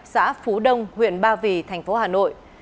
xã phú đông huyện ba vì thành phố hà nội